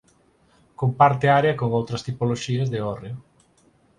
Comparte área con outras tipoloxías de hórreo.